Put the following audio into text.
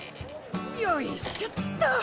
よいしょっと。